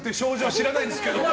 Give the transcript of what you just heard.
知らないんですけど。